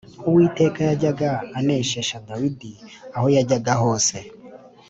Uwiteka yajyaga aneshesha Dawidi aho yajyaga hose.